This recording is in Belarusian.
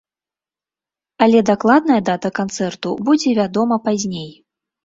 Але дакладная дата канцэрту будзе вядома пазней.